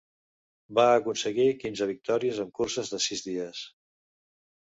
Va aconseguir quinze victòries en curses de sis dies.